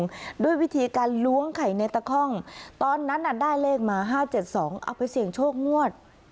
ด้วยวิธีการล้วงไข่ในตะค่องตอนนั้นได้เลขมา๕๗๒เอาไปเสี่ยงโชคงวด